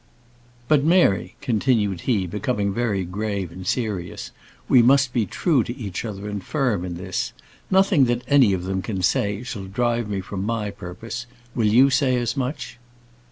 "But, Mary," continued he, becoming very grave and serious. "We must be true to each other, and firm in this. Nothing that any of them can say shall drive me from my purpose; will you say as much?"